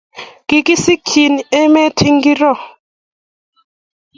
Kikisikchin emet ing ngoro?